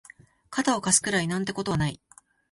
肩を貸すくらいなんてことはない